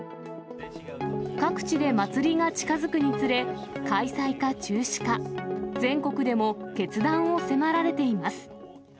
各地で祭りが近づくにつれ、開催か、中止か、全国でも決断を迫られています。